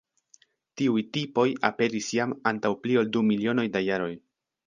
Tiuj tipoj aperis jam antaŭ pli ol du milionoj da jaroj.